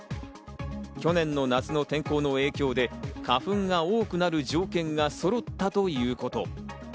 去年の夏の天候の影響で花粉が多くなる条件がそろったということ。